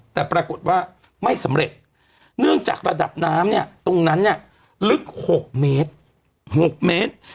แต่ปรากฏว่าไม่สำเร็จเนื่องจากระดับน้ำเนี่ยตรงนั้นเนี่ยลึก๖เมตร๖เมตร